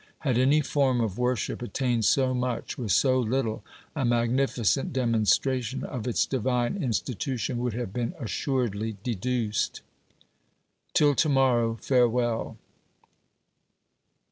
Had any form of worship attained so much with so little, a magnifi cent demonstration of its divine institution would have been assuredly deduced. Till to morrow farewell.